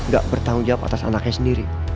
gak bertanggung jawab atas anaknya sendiri